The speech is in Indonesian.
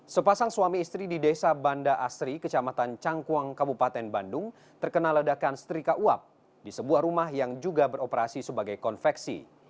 sepasang suami istri di desa banda asri kecamatan cangkuang kabupaten bandung terkena ledakan setrika uap di sebuah rumah yang juga beroperasi sebagai konveksi